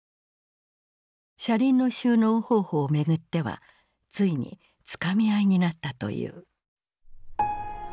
車輪の収納方法を巡ってはついにつかみ合いになったという。